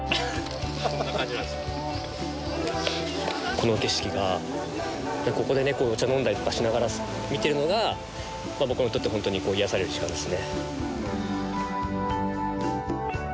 この景色がここでお茶飲んだりとかしながら見てるのが僕にとってホントに癒やされる時間ですね。